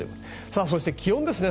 そして、気温ですね。